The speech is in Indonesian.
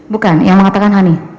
bukan yang mengatakan hany